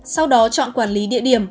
sau đó chọn quản lý địa điểm